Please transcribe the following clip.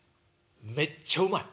めっちゃうまい。